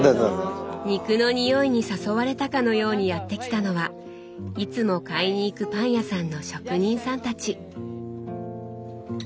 肉の匂いに誘われたかのようにやって来たのはいつも買いに行くパン屋さんの職人さんたち。